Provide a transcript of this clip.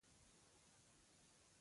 اوس ایران ته تللی دی.